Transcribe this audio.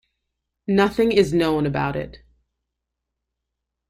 Nothing is known about it.